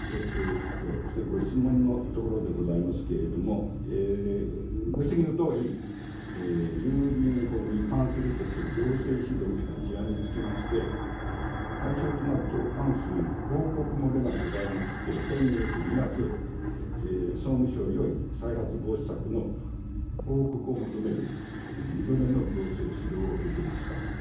ご質問のところでありますけれども、ご指摘のとおり、郵便法に違反するとして行政指導を受けた事案につきまして、対象となる投かん数に報告漏れがございまして、先月・２月、総務省より再発防止策の報告を求める２度目の行政指導を受けました。